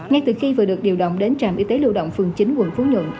ngay từ khi vừa được điều động đến trạm y tế lưu động phường chín quận phú nhuận